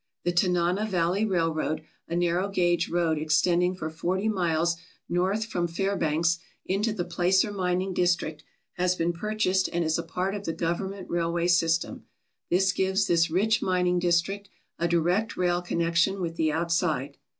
The Tanana Valley Railroad, a narrow 278 THE BIGGEST THING IN ALASKA gauge road extending for forty miles north from Fairbanks into the placer mining district, has been purchased and is a part of the government railway system. This gives this rich mining district a direct rail connection with the outside.